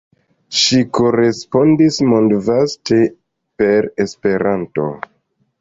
Ŝi korespondis mondvaste per Esperanto.